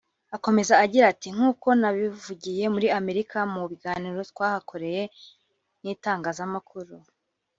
Akomeza agira ati « Nk’uko nabivugiye muri Amerika mu biganiro twahakoreye n’itangazamakuru